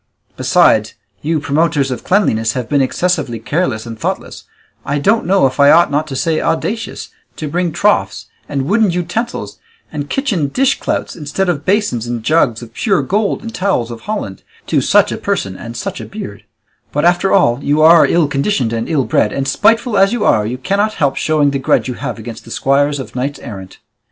Besides, you promoters of cleanliness have been excessively careless and thoughtless, I don't know if I ought not to say audacious, to bring troughs and wooden utensils and kitchen dishclouts, instead of basins and jugs of pure gold and towels of holland, to such a person and such a beard; but, after all, you are ill conditioned and ill bred, and spiteful as you are, you cannot help showing the grudge you have against the squires of knights errant."